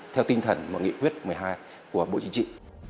theo tinh thần và nghị quyết một mươi hai của bộ chính trị